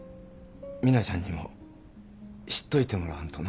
ミナちゃんにも知っといてもらわんとな。